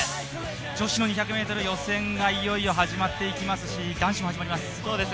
女子の２００ｍ予選がいよいよ始まっていきますし男子も始まります。